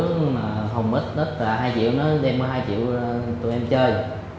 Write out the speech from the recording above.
nhưng mà không mất tất cả hai triệu nó đem hai triệu ra tụi em chơi